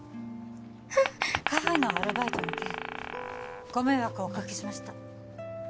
カフェのアルバイトの件ご迷惑をおかけしました